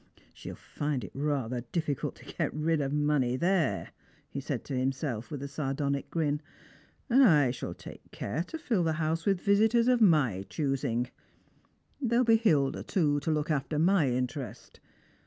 " She'll find it rather difficult to get rid of money there,'' he eaid to himself, with a sardonic grin, " and I shall take care to fill the house with visitors of ray own choosing. There'll be Hilda, too, to look after my interest.